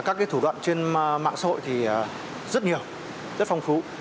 các thủ đoạn trên mạng xã hội thì rất nhiều rất phong phú